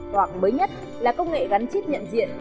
hoặc mới nhất là công nghệ gắn chip nhận diện